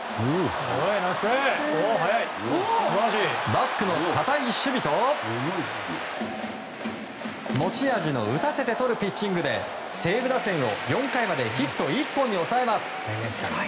バックの堅い守備と、持ち味の打たせてとるピッチングで西武打線を４回までヒット１本に抑えます。